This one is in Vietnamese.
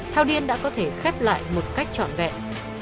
thao điên đã có thể khép lại một cách trọn vẹn